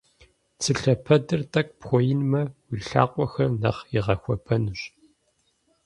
Цы лъэпэдыр тӏэкӏу пхуэинмэ, уи лъакъуэхэр нэхъ игъэхуэбэнущ.